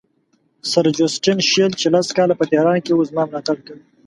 سر جوسټین شیل چې لس کاله په تهران کې وو زما ملاتړ کوي.